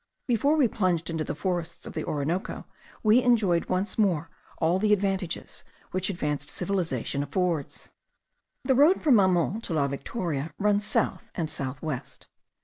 Before we plunged into the forests of the Orinoco, we enjoyed once more all the advantages which advanced civilization affords. The road from Mamon to La Victoria runs south and south west.